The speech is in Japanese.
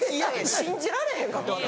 信じられへんかって私。